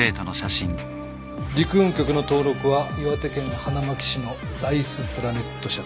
陸運局の登録は岩手県花巻市のライスプラネット社だ。